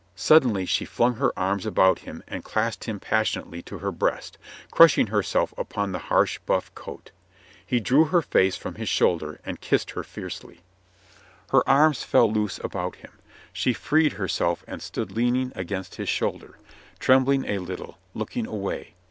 ... Suddenly she flung her arms about him and clasped him passion ately to her breast, crushing herself upon the harsh buff coat. He drew her face from his shoulder and kissed her fiercely. ... Her arms fell loose about him; she freed herself and stood leaning against his shoulder, trembling a little, looking away.